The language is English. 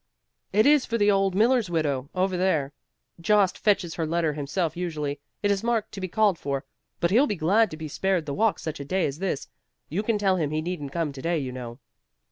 "It is for the old Miller's widow, over there. Jost fetches her letters himself, usually; it is marked "To be called for," but he'll be glad to be spared the walk such a day as this. You can tell him he needn't come to day, you know."